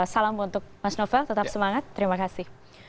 salam untuk mas novel tetap semangat terima kasih